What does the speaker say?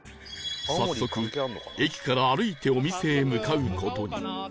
早速駅から歩いてお店へ向かう事に